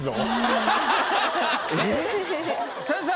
先生。